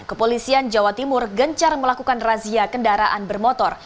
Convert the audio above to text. kepolisian jawa timur gencar melakukan razia kendaraan bermotor